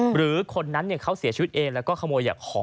หรือคนนั้นเขาเสียชีวิตเองแล้วก็